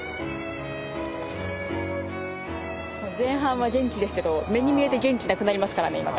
前半は元気ですけど目に見えて元気なくなりますからね